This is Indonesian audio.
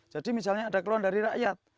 jadi misalnya ada keluhan dari rakyat